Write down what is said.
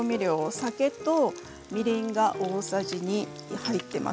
酒とみりんが大さじ２入っています。